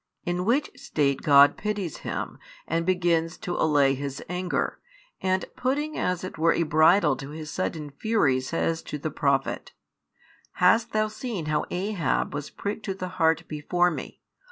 In which state God pities him, and begins to allay His anger, and putting as it were a bridle to His sudden fury says to the Prophet: Hast thou seen how Ahab was pricked to the heart before Me?